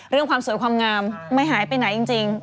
เรื่องความสวยและความงามไม่หายไปไหนจริง